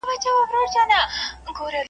یوه ورځ به تلل کیږي عملونه په مېزان .